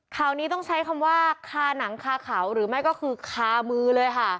ข่าวนี้ต้องใช้คำว่าคาหนังคาเขาหรือไม่ก็คือคามือเลยค่ะ